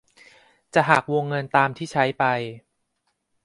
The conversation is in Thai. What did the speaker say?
จะหักวงเงินตามที่ใช้ไป